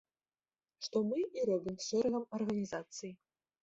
Што мы і робім з шэрагам арганізацый.